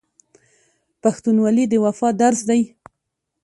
پښتونولي د وفا درس دی.